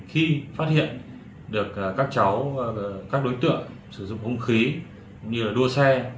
khi phát hiện được các đối tượng sử dụng hung khí như đua xe